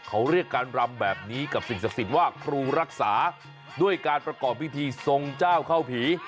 เขาเรียกการรำแบบนี้กับสิ่งศักดิ์สิทธิ์ว่าครูรักษาด้วยการประกอบพิธีทรงเจ้าเข้าผี